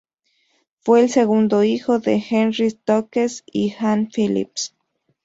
Fue el segundo hijo de Henry Stokes y Anne Phillips.